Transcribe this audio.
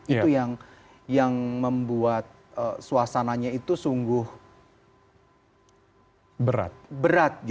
itu yang membuat suasananya itu sungguh berat